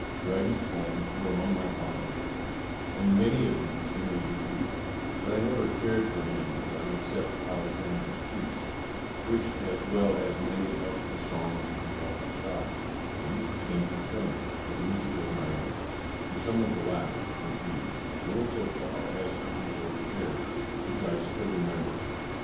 Dryden's Poems were among my father's books, and many of these he made me read, but I never cared for any of them except Alexander's Feast, which, as well as many of the songs in Walter Scott, I used to sing internally, to a music of my own: to some of the latter, indeed, I went so far as to compose airs, which I still remember.